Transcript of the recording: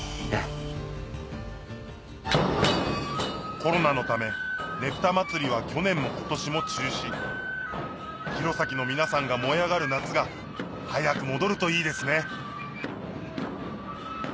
コロナのためねぷたまつりは去年も今年も中止弘前の皆さんが燃え上がる夏が早く戻るといいですね